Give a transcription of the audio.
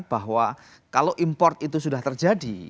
bahwa kalau import itu sudah terjadi